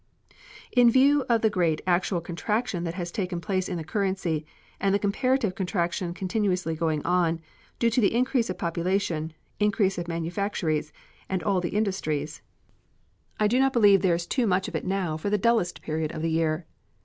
In view of the great actual contraction that has taken place in the currency and the comparative contraction continuously going on, due to the increase of population, increase of manufactories and all the industries, I do not believe there is too much of it now for the dullest period of the year.